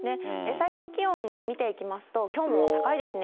最高気温見ていきますと、きょうも高いですね。